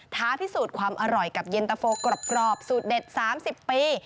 ท้าพิสูจน์ความอร่อยกับเย็นตะโฟกรอบสูตรเด็ด๓๐ปี